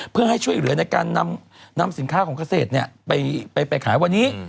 เพื่อให้ช่วยเหลือในการนำสินค้าของเกษตรไปขายวันนี้